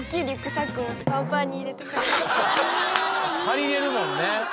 借りれるもんね。